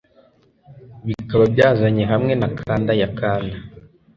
Bikaba byazanye hamwe na kanda ya kanda